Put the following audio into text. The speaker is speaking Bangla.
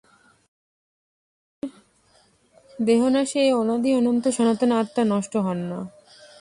দেহনাশে এই অনাদি অনন্ত সনাতন আত্মা নষ্ট হন না।